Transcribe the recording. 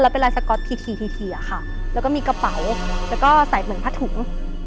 เป็นลายสก๊อตทีอะค่ะแล้วก็มีกระเป๋าแล้วก็ใส่เหมือนผ้าถุง